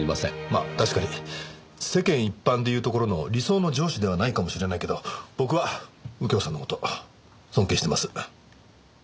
まあ確かに世間一般で言うところの理想の上司ではないかもしれないけど僕は右京さんの事尊敬してます。